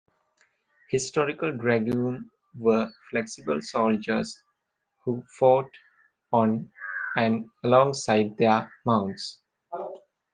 Historically dragoons were flexible soldiers, who fought on and alongside their mounts.